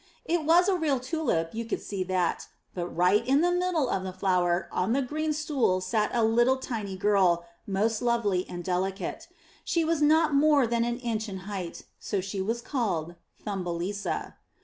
It was a real tulip, you could see that; but right in the middle of the flower on the green stool sat a little tiny girl, most lovely and deli cate. She was not more than an inch in height, so she was called Thumbelisa.